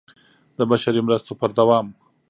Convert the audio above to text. د بشري مرستو پر دوام